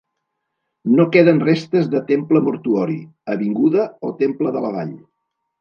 No queden restes de temple mortuori, Avinguda o temple de la vall.